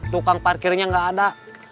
tukang parkirnya gak ada